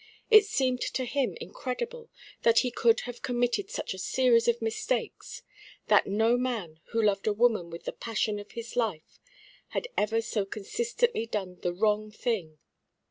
It seemed to him incredible that he could have committed such a series of mistakes; that no man who loved a woman with the passion of his life had ever so consistently done the wrong thing.